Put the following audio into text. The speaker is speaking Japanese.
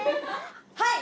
はい！